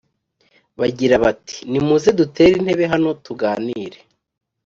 bagira bati nimuze dutere intebe hano tuganire